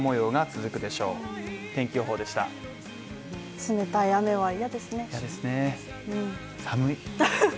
冷たい雨は嫌ですね。